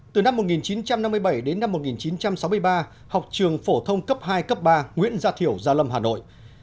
từ năm một nghìn chín trăm năm mươi bảy đến năm một nghìn chín trăm sáu mươi ba học trường phổ thông cấp hai cấp ba nguyễn gia thiểu gia lâm hà nội